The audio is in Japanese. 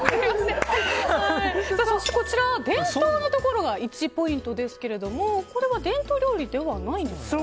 そして、伝統のところが１ポイントですけれどもこれは伝統料理ではないんですか。